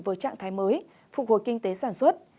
với trạng thái mới phục hồi kinh tế sản xuất